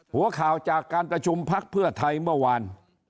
หัวข่าวจากการประชุมพักเพื่อไทยเมื่อวาน